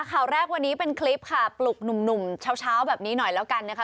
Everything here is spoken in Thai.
ข่าวแรกวันนี้เป็นคลิปค่ะปลุกหนุ่มเช้าแบบนี้หน่อยแล้วกันนะคะ